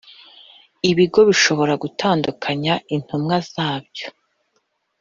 Ibigo bishobora gutandukanya Intumwa zabyo